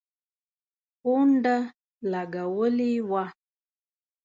پونډه لګولي وه.